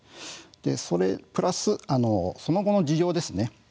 それプラスその後の事情ですね